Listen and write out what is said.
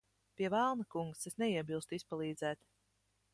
Pie velna, kungs. Es neiebilstu izpalīdzēt.